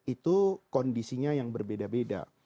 itu kondisinya yang berbeda beda